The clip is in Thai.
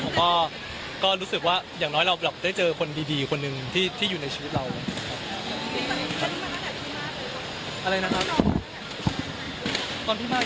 ผมก็รู้สึกว่าอย่างน้อยเราได้เจอคนดีคนหนึ่งที่อยู่ในชีวิตเรา